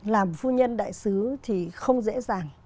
làm phu nhân đại sứ thì không dễ dàng